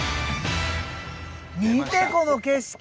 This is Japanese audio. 見てこの景色。